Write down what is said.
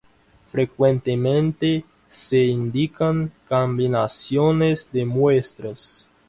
Frecuentemente se indican combinaciones de muestras.